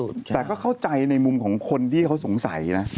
แต่ก็เข้าใจในมุมของคนที่เขาสงสัยนะ